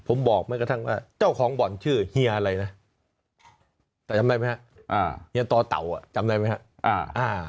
ผมบอกไม่กระทั่งว่าเจ้าของบ่อนชื่อเฮียอะไรนะแต่จำได้ไหมฮะเฮียตอเต่าอ่ะจำได้ไหมครับ